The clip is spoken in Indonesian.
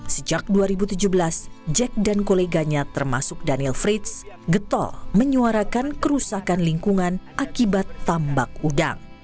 sejak dua ribu tujuh belas jack dan koleganya termasuk daniel fritz getol menyuarakan kerusakan lingkungan akibat tambak udang